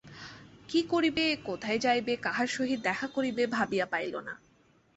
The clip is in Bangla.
কী করিবে কোথায় যাইবে কাহার সহিত দেখা করিবে ভাবিয়া পাইল না।